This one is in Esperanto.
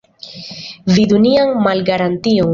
Vidu nian malgarantion.